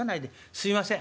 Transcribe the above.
すいません